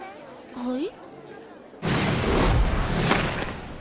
はい。